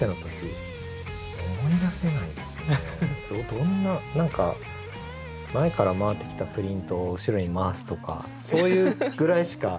どんな何か前から回ってきたプリントを後ろに回すとかそういうぐらいしか。